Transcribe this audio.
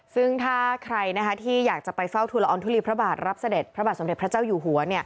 ซึ่งถ้าใครที่อยากจะไปเฝ้าทุลอองทุลีพระบาทรับเสด็จพระบาทสมเด็จพระเจ้าอยู่หัว